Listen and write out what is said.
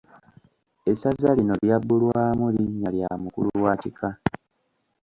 Essaza lino lyabbulwamu linnya lya mukulu wa kika.